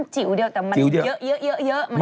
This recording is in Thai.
จริงมันจิ๋วเดียวแต่มันเยอะ